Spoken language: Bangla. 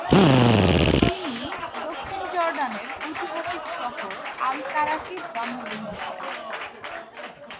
তিনি দক্ষিণ জর্ডানের ঐতিহাসিক শহর আল-কারাকে জন্মগ্রহণ করেন।